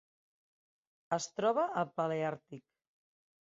Es troba al Paleàrtic.